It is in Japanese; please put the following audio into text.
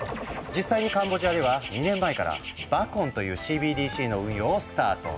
実際にカンボジアでは２年前から「バコン」というＣＢＤＣの運用をスタート。